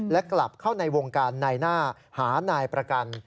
และกลับเข้าในวงการนายหน้าหานายประกัน